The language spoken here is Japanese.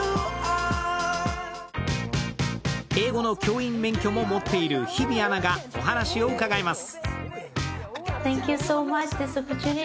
英語の教員免許も持っている日比アナがお話を伺います。